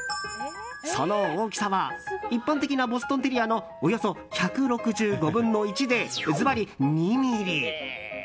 その大きさは一般的なボストンテリアのおよそ１６５分の１でずばり２ｍｍ。